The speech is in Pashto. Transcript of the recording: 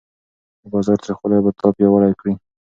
د بازار تریخوالی به تا پیاوړی کړي.